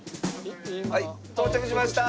はい到着しました。